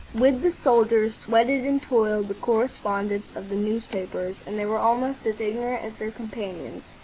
With the soldiers sweated and toiled the correspondents of the newspapers, and they were almost as ignorant as their companions.